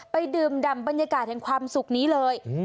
ไปดื่มดำบรรยากาศแห่งความสุขนี้เลย